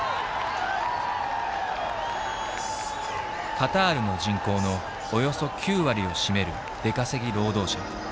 カタールの人口のおよそ９割を占める出稼ぎ労働者。